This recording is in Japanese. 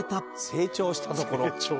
成長したところ。